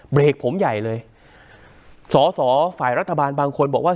เบรกผมใหญ่เลยสอสอฝ่ายรัฐบาลบางคนบอกว่า